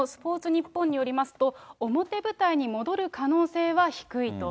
ニッポンによりますと、表舞台に戻る可能性は低いと。